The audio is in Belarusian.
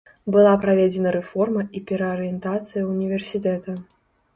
Была праведзена рэформа і пераарыентацыя ўніверсітэта.